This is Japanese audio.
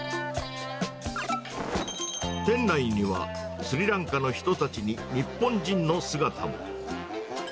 店内には、スリランカの人たちに日本人の姿も。